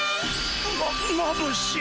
まっまぶしい。